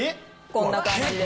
こんな感じで。